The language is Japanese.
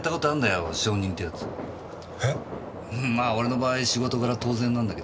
まあ俺の場合仕事柄当然なんだけどさ。